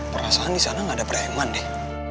perasaan di sana nggak ada preman deh